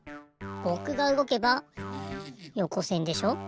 ぼくがうごけばよこせんでしょ。